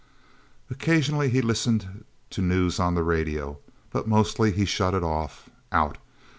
Occasionally he listened to news on the radio. But mostly he shut it off out.